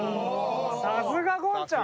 さすが権ちゃん。